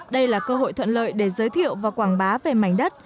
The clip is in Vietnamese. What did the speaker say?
đây là cơ hội thuận lợi để giới thiệu và quảng bá về mảnh đất